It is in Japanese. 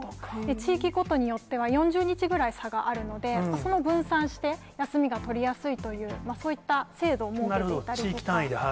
地域ごとによっては、４０日ぐらい差があるので、その、分散して休みが取りやすいという、そういった制度を設けていたりと地域単位で。